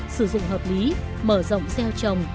sử dụng hợp lý mở rộng gieo trồng